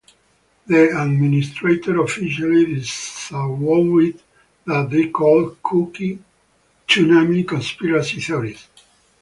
The administrators officially disavowed what they called "kooky tsunami conspiracy theories".